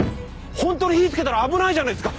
本当に火つけたら危ないじゃないですか！